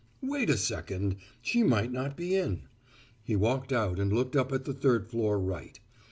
Wait a second she might not be in. He walked out and looked up at the third floor right.